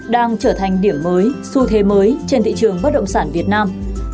đang trở thành điểm mới xu thế mới trên thị trường bất động sản việt nam